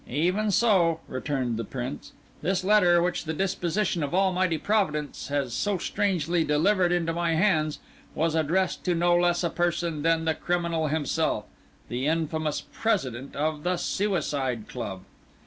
"Even so," returned the Prince. "This letter, which the disposition of Almighty Providence has so strangely delivered into my hands, was addressed to no less a person than the criminal himself, the infamous President of the Suicide Club.